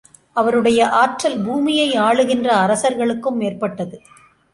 அவருடைய ஆற்றல் பூமியை ஆளுகின்ற அரசர்களுக்கும் மேற்பட்டது.